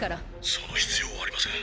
「その必要はありません」。